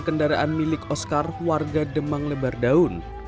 kendaraan milik oscar warga demang lebar daun